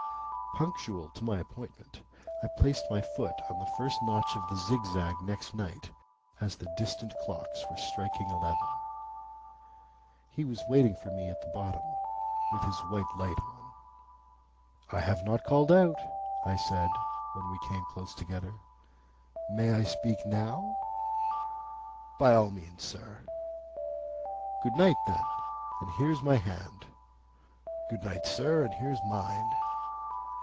Punctual to my appointment, I placed my foot on the first notch of the zigzag next night, as the distant clocks were striking eleven. He was waiting for me at the bottom, with his white light on. "I have not called out," I said, when we came close together; "may I speak now?" "By all means, sir." "Good night, then, and here's my hand." "Good night, sir, and here's mine."